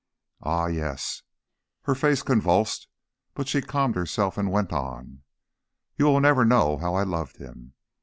"Ah, yes!" Her face convulsed, but she calmed herself and went on. "You will never know how I loved him.